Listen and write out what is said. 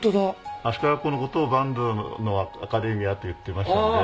足利学校のことを「板東のアカデミア」と言ってましたんで。